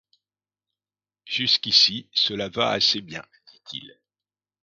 Jusqu’ici cela va assez bien, dit-il.